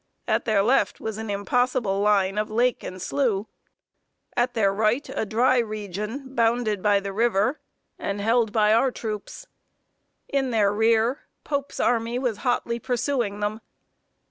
At their left was an impassable line of lake and slough; at their right a dry region, bounded by the river, and held by our troops; in their rear, Pope's army was hotly pursuing them.